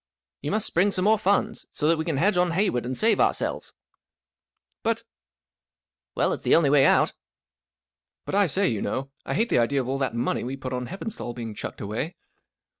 " You must spring some more funds, so that we can hedge on Wayward and save ourselves." " But " s " Well, it's the only way out." . 44 But I say, you know, I hate the idea of all that money we put on Hepperistall being chucked away."